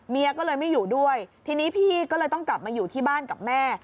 เมียก็เลยไม่อยู่ด้วยทีนี้พี่ก็เลยต้องกลับมาอยู่ที่บ้านกับแม่